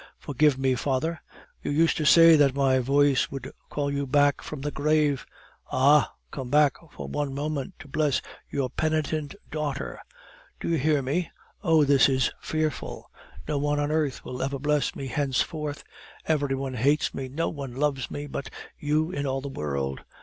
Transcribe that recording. "Forgive me, father! You used to say that my voice would call you back from the grave; ah! come back for one moment to bless your penitent daughter. Do you hear me? Oh! this is fearful! No one on earth will ever bless me henceforth; every one hates me; no one loves me but you in all the world.